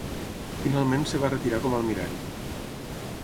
Finalment es va retirar com almirall.